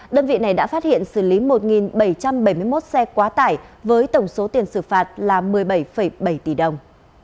đơn vị này đã phát hiện xử lý một bảy trăm bảy mươi một xe quá tải với tổng số tiền xử phạt là một mươi bảy bảy tỷ đồng